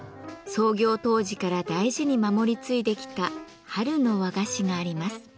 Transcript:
創業当時から大事に守り継いできた春の和菓子があります。